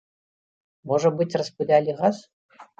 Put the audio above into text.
Можа быць, распылялі газ?